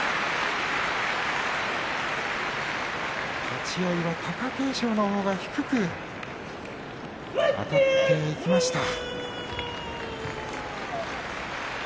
立ち合いは貴景勝のほうが低くあたっていきました。